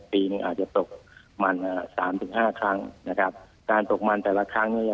ปีหนึ่งอาจจะตกมันสามถึงห้าครั้งนะครับการตกมันแต่ละครั้งเนี่ย